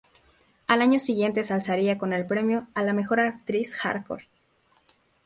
Al año siguiente se alzaría con el premio a la Mejor actriz hardcore.